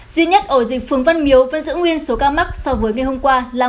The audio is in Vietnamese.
duy nhất ổ dịch phường văn miếu vẫn giữ nguyên số ca mắc so với ngày hôm qua là một trăm một mươi bảy ca